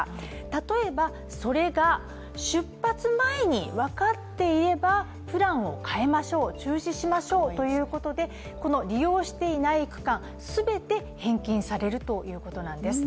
例えば、それが出発前に分かっていればプランを変えましょう、中止しましょうということでこの利用していない区間全て返金されるということなんです。